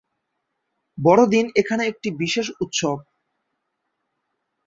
বড়দিন এখানে একটি বিশেষ উৎসব।